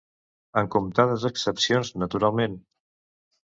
Amb comptades excepcions, naturalment.